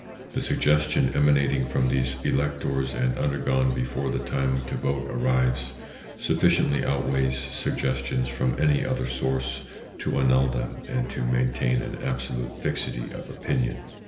The suggestion emanating from these electors and undergone before the time to vote arrives, sufficiently outweighs suggestions from any other source to annul them and to maintain an absolute fixity of opinion.